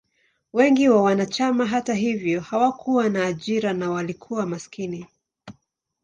Wengi wa wanachama, hata hivyo, hawakuwa na ajira na walikuwa maskini.